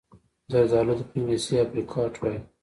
زردالو ته په انګلیسي Apricot وايي.